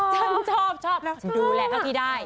ฉันชอบทุกคนดูแลเอาที่ได้